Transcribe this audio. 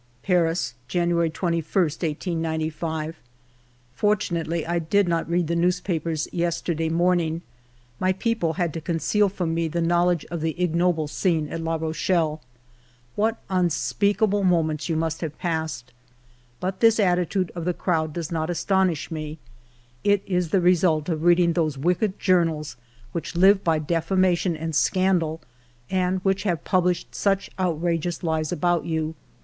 ''Paris, January 21, 1895. "... Fortunately I did not read the news papers yesterday morning ; my people had to 6 82 FIVE YEARS OF MY LIFE conceal from me the knowledge of the ignoble scene at La Rochelle. What unspeakable mo ments you must have passed !... But this attitude of the crowd does not astonish me ; it is the result of reading those wicked journals which live by defamation and scandal, and which have published such outrageous lies about you.